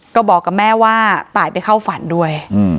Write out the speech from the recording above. ก็บอกกับแม่ว่าตายไปเข้าฝันด้วย